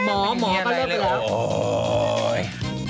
หมอก็เลิกไปแล้วมีอะไรเลยโอ๊ย